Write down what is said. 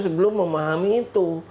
sebelum memahami itu